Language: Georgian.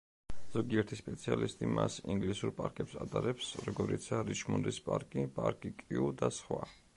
ზოგიერთი სპეციალისტი მას ინგლისურ პარკებს ადარებს, როგორიცაა რიჩმონდის პარკი, პარკი კიუ და სხვა.